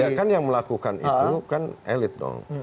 ya kan yang melakukan itu kan elit dong